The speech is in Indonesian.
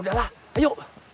kita lapor bos aja yuk